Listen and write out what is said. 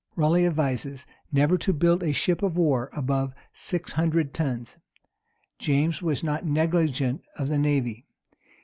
Raleigh advises never to build a ship of war above six hundred tons. James was not negligent of the navy.